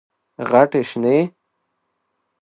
غټي شنې،